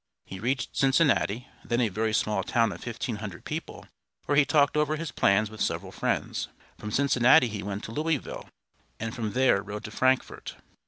He reached Cincinnati, then a very small town of fifteen hundred people, where he talked over his plans with several friends. From Cincinnati he went to Louisville, and from there rode to Frankfort.